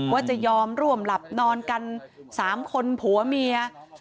ว่าจะยอมร่วมหลับนอนกัน๓คนผัวเมีย